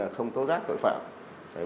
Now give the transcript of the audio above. không tố giác tội phạm